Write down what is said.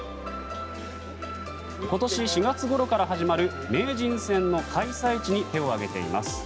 今年４月ごろから始まる名人戦の開催地に手を挙げています。